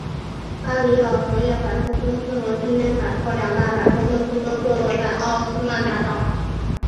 巴黎老佛爷百货公司和春天百货两大百货公司都坐落在奥斯曼大道。